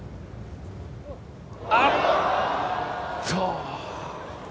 あっ、と。